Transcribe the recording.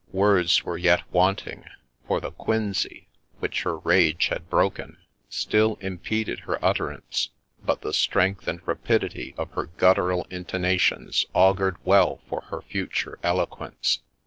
Words were yet want ing, for the quinsy, which her rage had broken, still impeded her utterance ; but the strength and rapidity of her guttural intona tions augured well for her future eloquence.